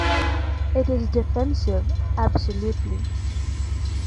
It is defensive, absolutely.